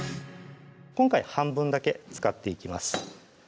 今回半分だけ使っていきます